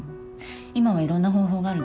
今はいろんな方法があるでしょ。